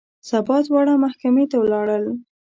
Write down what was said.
سبا دواړه محکمې ته ولاړل.